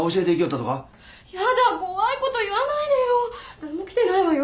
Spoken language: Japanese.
誰も来てないわよ。